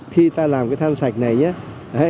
khi ta làm cái than sạch này nhé